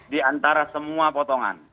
di antara semua potongan